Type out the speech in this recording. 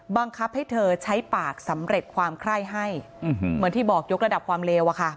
บังคับให้เธอใช้ปากสำเร็จความไคร้ให้เหมือนที่บอกยกระดับความเลวอะค่ะ